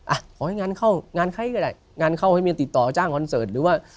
อ่ะขอให้งานเข้างานใครก็ได้งานเข้าให้เมียติดต่อจ้างคอนเสิร์ตหรือว่า